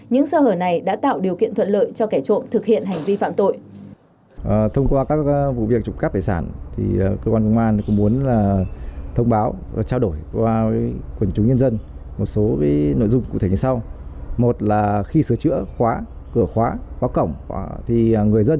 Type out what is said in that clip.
những sơ hở này đã tạo điều kiện thuận lợi cho kẻ trộm thực hiện hành vi phạm tội